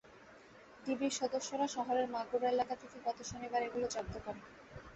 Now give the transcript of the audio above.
ডিবির সদস্যরা শহরের মাগুরা এলাকা থেকে গত শনিবার এগুলো জব্দ করেন।